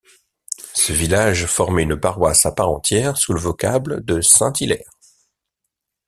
Ce village formait une paroisse à part entière sous le vocable de saint Hilaire.